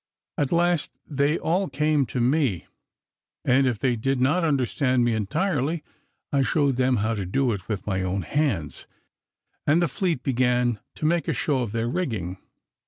At last, they all came to me, and if they did not understand me entirely, I showed them how to do it with my own hands, and the fleet began to make a show with their rigging.